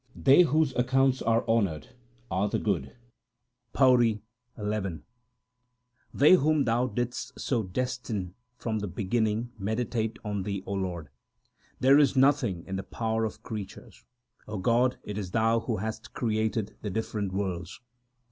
They whose accounts are honoured are the good. PAURI XI They whom Thou didst so destine from the beginning meditate on Thee, O Lord. There is nothing in the power of creatures ; God, it is Thou who hast created the different worlds.